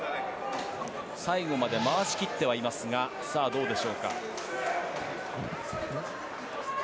最後まで回し切ってはいますがさあ、どうでしょうか。